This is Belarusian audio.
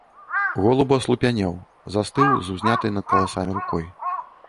Голуб аслупянеў, застыў з узнятай над каласамі рукой.